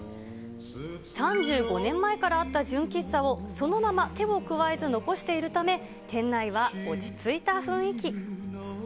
３５年前からあった純喫茶をそのまま手を加えず残しているため、店内は落ち着いた雰囲気。